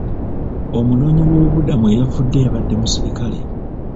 Omunoonyi woobubudamu eyafudde yabadde musirikale.